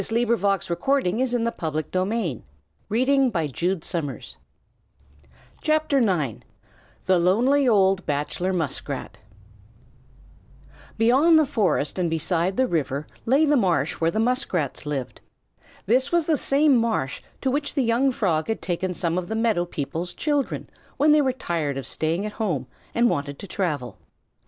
But she never cared for society again. THE LONELY OLD BACHELOR MUSKRAT Beyond the forest and beside the river lay the marsh where the Muskrats lived. This was the same marsh to which the young Frog had taken some of the meadow people's children when they were tired of staying at home and wanted to travel.